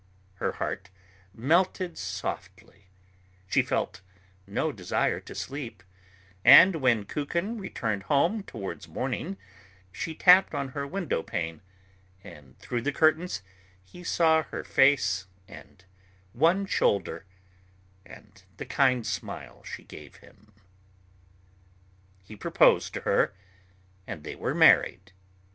Her heart melted softly, she felt no desire to sleep, and when Kukin returned home towards morning, she tapped on her window pane, and through the curtains he saw her face and one shoulder and the kind smile she gave him. He proposed to her, and they were married.